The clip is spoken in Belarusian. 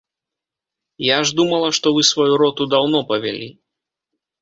Я ж думала, што вы сваю роту даўно павялі.